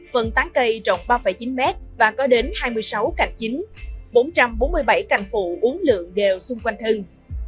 phần tán cây rộng ba chín mét và có đến hai mươi sáu cành chính bốn trăm bốn mươi bảy cành phụ uống lượng đều xung quanh thân